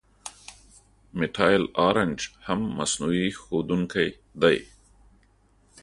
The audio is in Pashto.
میتایل آرنج هم مصنوعي ښودونکی دی.